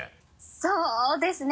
そうですね